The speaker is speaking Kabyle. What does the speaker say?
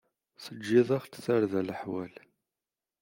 Teǧǧiḍ-aɣ-d tarda leḥwal.